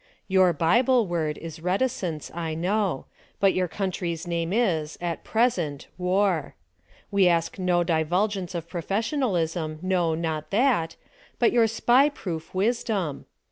Your bible w^ord is reticence, I know ; but your country's name is, at present — War. \Ve ask no divulgcnce of professionalism, no, not that — but your SPY proof wisdom.